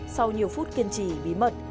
sau nhiều phút kiên trì bí mật